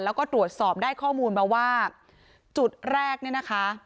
แล้วก็ตรวจสอบได้ข้อมูลมาว่าจุดแรกเนี่ยนะคะ